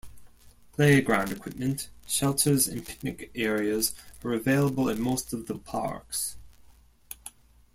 Playground equipment, shelters and picnic areas are available at most of the parks.